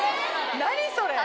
・・何それ！